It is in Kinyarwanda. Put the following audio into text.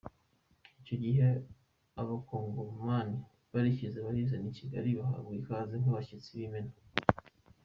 Icyo gihe abakongomani barishyize barizana i Kigali, bahabwa ikaze nk’abashyitsi b’imena.